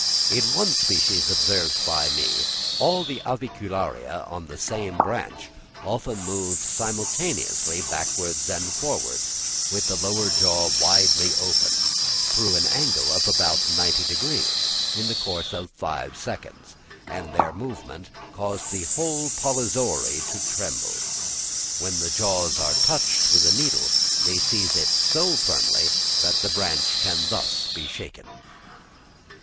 In one species observed by me, all the avicularia on the same branch often moved simultaneously backwards and forwards, with the lower jaw widely open, through an angle of about 90 degrees, in the course of five seconds; and their movement caused the whole polyzoary to tremble. When the jaws are touched with a needle they seize it so firmly that the branch can thus be shaken.